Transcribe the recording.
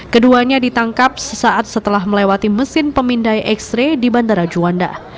keduanya ditangkap sesaat setelah melewati mesin pemindai x ray di bandara juanda